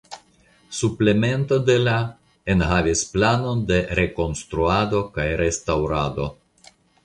Suplemento de la enhavis planon de rekonstruado kaj restaŭrado.